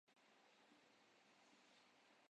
سی بھی سرکاری یا پرائیوٹ چھٹی کے ساتھ